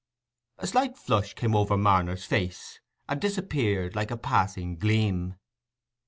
A slight flush came over Marner's face, and disappeared, like a passing gleam.